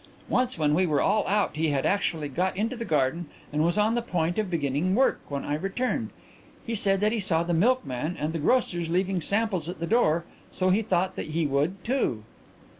Once when we were all out he had actually got into the garden and was on the point of beginning work when I returned. He said he saw the milkmen and the grocers leaving samples at the door so he thought that he would too!"